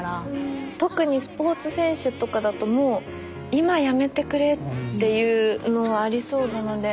特にスポーツ選手とかだともう今やめてくれっていうのはありそうなので。